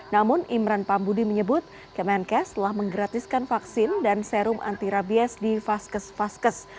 namun imran pambudi menyebut kemenkes telah menggratiskan vaksin dan serum anti rabies di vaskes vaskes